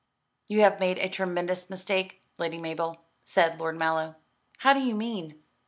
"You have made a tremendous mistake, Lady Mabel," said Lord Mallow. "How do you mean?"